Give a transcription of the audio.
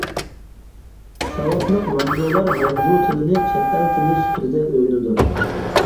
ساۋاتلىق مانجۇلار مانجۇ تىلىنى چەت ئەل تىلى سۈپىتىدە ئۆگىنىدۇ.